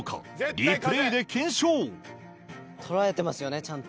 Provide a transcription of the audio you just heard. リプレーで検証捉えてますよねちゃんと。